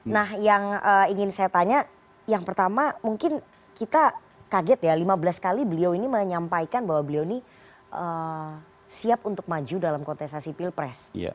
nah yang ingin saya tanya yang pertama mungkin kita kaget ya lima belas kali beliau ini menyampaikan bahwa beliau ini siap untuk maju dalam kontestasi pilpres